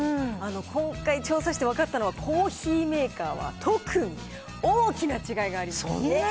今回、調査して分かったのは、コーヒーメーカーは特に大きな違いがありそんなに？